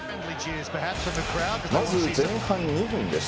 まず前半２分です。